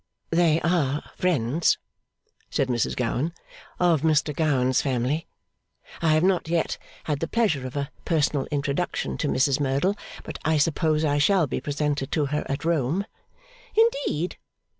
'They are friends,' said Mrs Gowan, 'of Mr Gowan's family. I have not yet had the pleasure of a personal introduction to Mrs Merdle, but I suppose I shall be presented to her at Rome.' 'Indeed?